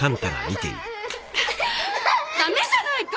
ダメじゃないか！